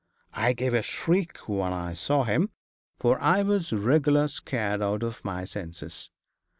I gave a shriek when I saw him, for I was regular scared out of my senses.